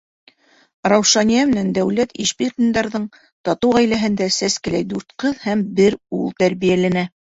Раушания менән Дәүләт Ишбирҙиндарҙың татыу ғаиләһендә сәскәләй дүрт ҡыҙ һәм бер ул тәрбиәләнә.